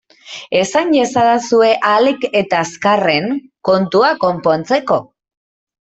Esan iezadazue ahalik eta azkarren, kontua konpontzeko!